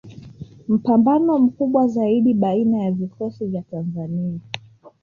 Mpambano mkubwa zaidi baina ya vikosi vya Tanzania